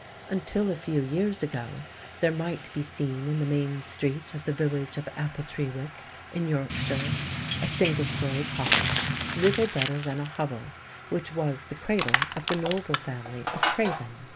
Until a few years ago there might be seen in the main street of the village of Appletrewick, in Yorkshire, a single storey cottage, little better than a hovel, which was the cradle of the noble family of Craven.